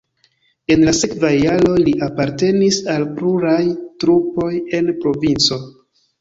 En la sekvaj jaroj li apartenis al pluraj trupoj en provinco.